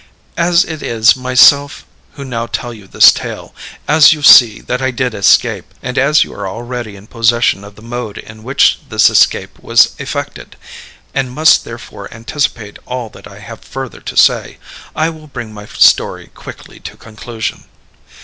As it is myself who now tell you this tale as you see that I did escape, and as you are already in possession of the mode in which this escape was effected, and must therefore anticipate all that I have further to say, I will bring my story quickly to conclusion.